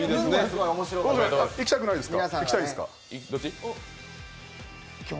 行きたいですか？